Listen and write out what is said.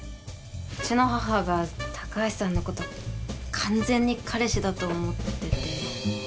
うちの母が高橋さんのこと完全に彼氏だと思ってて。